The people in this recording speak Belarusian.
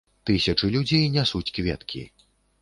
Тысячы людзей нясуць кветкі.